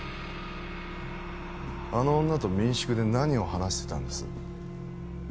あの女と民宿で何を話してたんです？